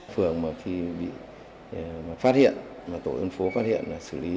phường mà khi bị phát hiện là tổ dân phố phát hiện là xử lý